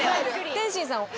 天心さん